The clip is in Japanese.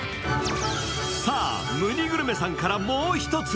さあ、むにぐるめさんからもう１つ。